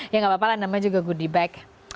ya gak apa apa lah namanya juga goodie bag